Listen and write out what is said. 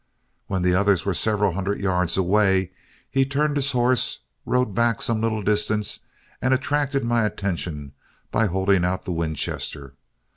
When the others were several hundred yards away, he turned his horse, rode back some little distance, and attracted my attention by holding out the Winchester.